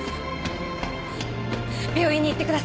病院に行ってください。